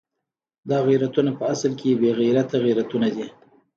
دا غیرتونه په اصل کې بې غیرته غیرتونه دي.